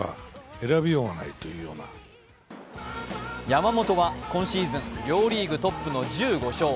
山本は今シーズン両リーグトップの１５勝。